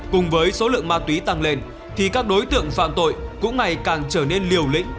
cùng với số lượng ma túy tăng lên thì các đối tượng phạm tội cũng ngày càng trở nên liều lĩnh